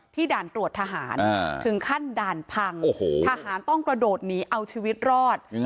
ด่านตรวจทหารถึงขั้นด่านพังทหารต้องกระโดดหนีเอาชีวิตรอด